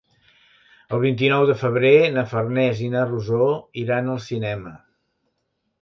El vint-i-nou de febrer na Farners i na Rosó iran al cinema.